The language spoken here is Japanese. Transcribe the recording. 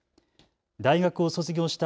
大学を卒業した